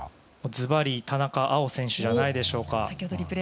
ずばり田中碧選手じゃないでしょうか。